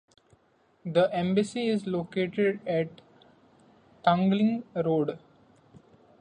The embassy is located at Tanglin Road.